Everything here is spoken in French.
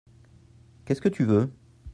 Qu'est-ce que tu veux ?